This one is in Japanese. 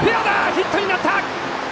ヒットになった！